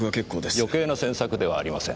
余計な詮索ではありません。